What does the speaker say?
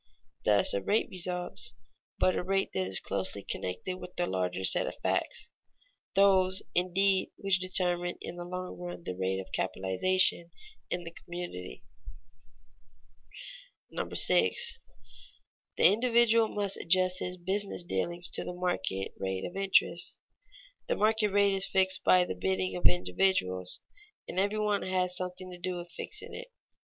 Thus a rate results, but a rate that is closely connected with larger set of facts those, indeed, which determine in the long run the rate of capitalization in the community. [Sidenote: Every person is a buyer or a seller of present goods] 6. The individual must adjust his business dealings to the market rate of interest. The market rate is fixed by the bidding of individuals, and every one has something to do with fixing it.